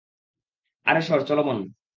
আরে সর, চল বোন!